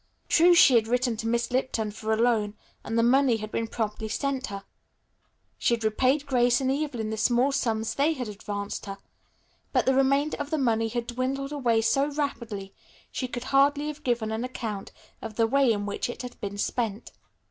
True she had written to Miss Lipton for a loan, and the money had been promptly sent her. She had repaid Grace and Evelyn the small sums they had advanced her, but the remainder of the money had dwindled away so rapidly she could hardly have given an account of the way in which it had been spent.